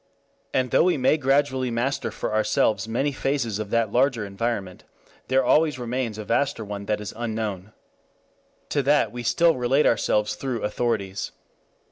And though we may gradually master for ourselves many phases of that larger environment, there always remains a vaster one that is unknown. To that we still relate ourselves through authorities.